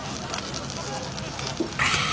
あ！